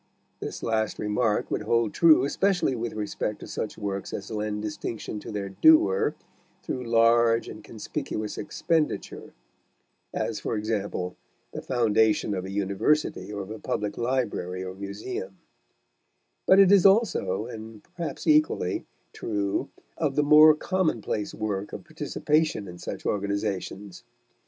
This last remark would hold true especially with respect to such works as lend distinction to their doer through large and conspicuous expenditure; as, for example, the foundation of a university or of a public library or museum; but it is also, and perhaps equally, true of the more commonplace work of participation in such organizations.